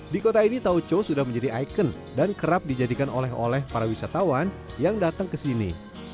di kota ini tauco sudah menjadi ikon dan kerap dijadikan oleh oleh para wisatawan yang datang ke sini